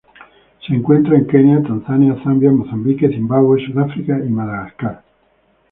Se encuentra en Kenia Tanzania Zambia Mozambique Zimbabue, Sudáfrica y Madagascar.